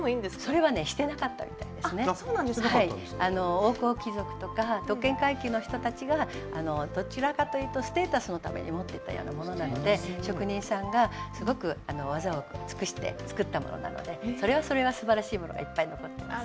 王侯貴族とか特権階級の人たちがどちらかというとステータスのために持ってたようなものなので職人さんがすごく技を尽くして作ったものなのでそれはそれはすばらしいものがいっぱい残ってます。